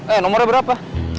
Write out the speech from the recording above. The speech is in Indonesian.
eh nomornya berapa